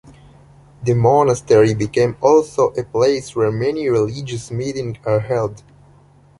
The monastery became also a place where many religious meeting are held.